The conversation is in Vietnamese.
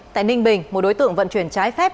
tại ninh bình một đối tượng vận chuyển trái phép